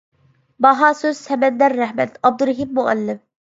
باھا سۆز سەمەندەر رەھمەت، ئابدۇرېھىم مۇئەللىم.